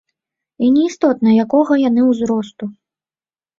І не істотна, якога яны ўзросту.